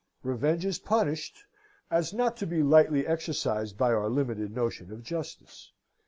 Revenge is punished as not to be lightly exercised by our limited notion of justice.